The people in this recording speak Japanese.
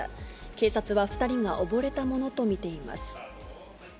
警察は２人が溺れたものと見ています。